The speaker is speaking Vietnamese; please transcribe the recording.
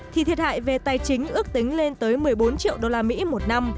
thì thiệt hại về tài chính ước tính lên tới một mươi bốn triệu usd một năm